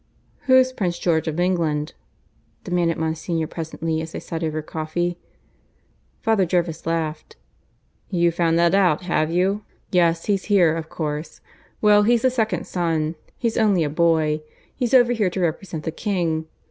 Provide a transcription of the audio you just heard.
"Who's Prince George of England?" demanded Monsignor presently as they sat over coffee. Father Jervis laughed. "You've found that out, have you? Yes, he's here, of course. Well, he's the second son: he's only a boy. He's over here to represent the King.